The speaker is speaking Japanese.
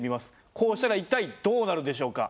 こうしたら一体どうなるでしょうか？